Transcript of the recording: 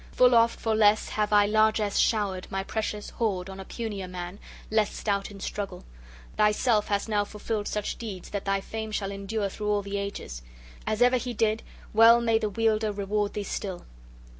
Full oft for less have I largess showered, my precious hoard, on a punier man, less stout in struggle. Thyself hast now fulfilled such deeds, that thy fame shall endure through all the ages. As ever he did, well may the Wielder reward thee still!"